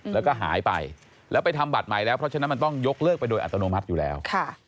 แล้วก็หายไปแล้วไปทำบัตรใหม่แล้วเพราะฉะนั้นมันต้องยกเลิกไปโดยอัตโนมัติอยู่แล้ว